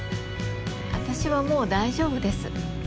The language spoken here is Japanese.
私はもう大丈夫です。